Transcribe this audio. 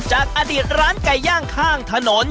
จากอดีตร้านไก่ย่างข้างถนน